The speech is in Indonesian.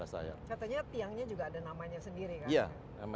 katanya tiangnya juga ada namanya sendiri kan